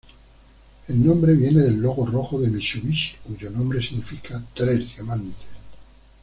El nombre viene del logo rojo de Mitsubishi, cuyo nombre significa "tres diamantes".